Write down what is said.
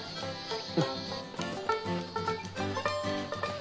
うん。